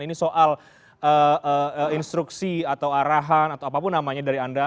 ini soal instruksi atau arahan atau apapun namanya dari anda